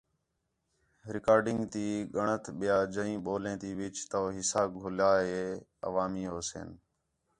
ریکارڈنگ تی ڳَݨَت ٻیا جئیں ٻولیں تی وِچ تَؤ حِصّہ گُھلّیا ہے ہو عوامی ہوسِن۔